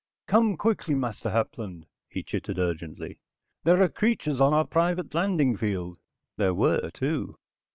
"Come quickly, Master Hapland," he chittered urgently. "There are creatures on our private landing field." There were, too.